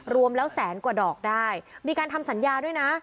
รวมแล้วแสนกว่าดอกได้มีการทำสัญญาด้วยนะ